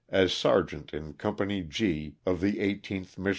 as sergeant in Company G, of the 18th Mich.